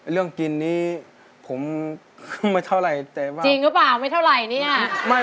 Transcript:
เรื่องกินนี้ผมไม่เท่าไหร่แต่ว่าจริงหรือเปล่าไม่เท่าไหร่เนี่ย